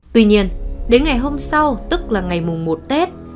tuy nhiên đến ngày hôm sau tức là ngày mùng một tết